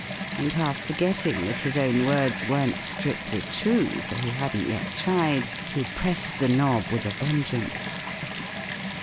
And half forgetting that his own words weren't strictly true, for he hadn't yet tried, he pressed the knob with a vengeance.